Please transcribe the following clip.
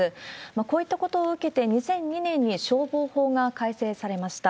こういったことを受けて、２００２年に消防法が改正されました。